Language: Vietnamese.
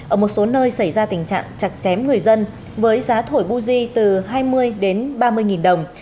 ở một số nơi xảy ra tình trạng chặt chém người dân với giá thổi bu di từ hai mươi đến ba mươi đồng